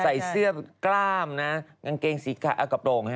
ใส่เสื้อกล้ามนะอังเกงสีกาอ่ะกระโปรงฮะ